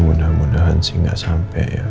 ya mudah mudahan sih enggak sampai ya